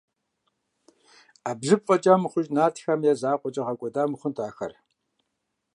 Ӏэбжьыб фӀэкӀа мыхъуж нартхэм я закъуэкӀэ гъэкӀуэда мыхъунт ахэр.